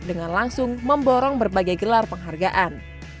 dengan langsung memborong berbagai gelar penghargaan